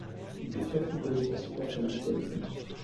Il est surtout connu pour ses personnages comiques.